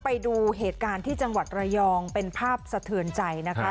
ไปดูเหตุการณ์ที่จังหวัดระยองเป็นภาพสะเทือนใจนะคะ